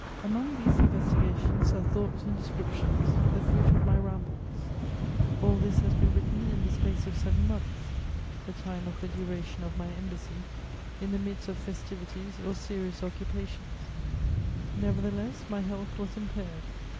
Among these investigations are thoughts and descriptions, the fruit of my rambles. All this has been written in the space of seven months, the time of the duration of my embassy, in the midst of festivities or serious occupations. Nevertheless, my health was impaired.